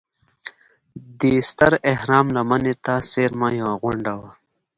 دې ستر اهرام لمنې ته څېرمه یوه غونډه وه.